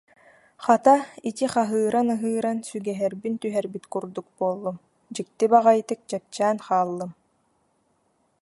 Хата, ити хаһыыран-ыһыыран сүгэһэрбин түһэрбит курдук буоллум, дьикти баҕайытык чэпчээн хааллым